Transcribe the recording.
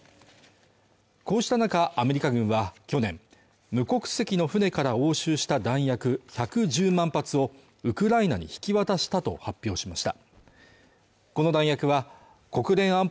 こうした中アメリカ軍は去年無国籍の船から押収した弾薬１１０万発をウクライナに引き渡したと発表しました